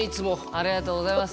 ありがとうございます。